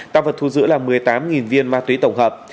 tăng vật thu giữ là một mươi tám viên ma túy tổng hợp